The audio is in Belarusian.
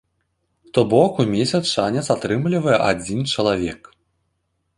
То бок, у месяц шанец атрымлівае адзін чалавек!